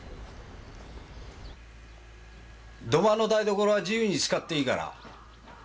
土間の台所は自由に使っていいから。